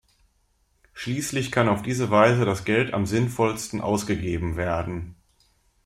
Schließlich kann auf diese Weise das Geld am sinnvollsten ausgegeben werden.